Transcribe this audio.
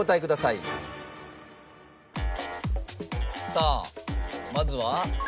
さあまずは。